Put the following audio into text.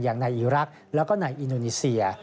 อย่างในอีรักษ์แล้วก็ในอินโดนีเซีย